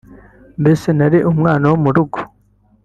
mbese nari umwana wo mu rugo